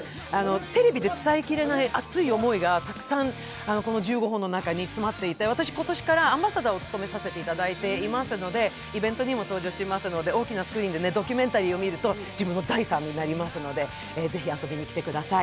テレビで伝えきれない熱い思いがたくさん１５本の中に詰まっていて、私、今年からアンバサダーを務めさせていただいていますので、イベントにも登場しますので、大きなスクリーンで、ドキュメンタリーを見ると自分の財産になりますので、是非遊びに来てください。